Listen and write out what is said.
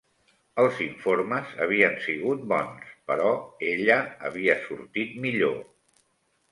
Els informes havien sigut bons, però ella havia sortit millor